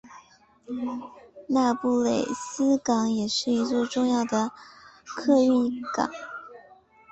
那不勒斯港也是一座重要的客运港。